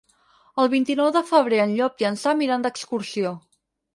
El vint-i-nou de febrer en Llop i en Sam iran d'excursió.